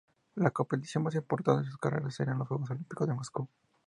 La competición más importante de su carrera serían los Juegos Olímpicos de Moscú.